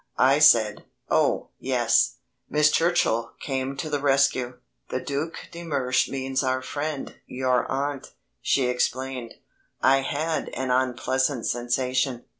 I said, "Oh, yes." Miss Churchill came to the rescue. "The Duc de Mersch means our friend, your aunt," she explained. I had an unpleasant sensation.